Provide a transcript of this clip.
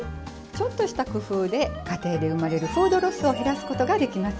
ちょっとした工夫で家庭で生まれるフードロスを減らすことができますよ。